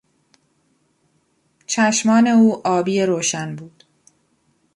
چشمان او آبی روشن بود.